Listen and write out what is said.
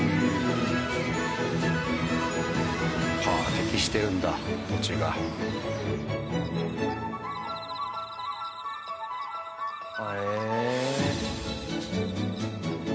適してるんだ土地が。へえ。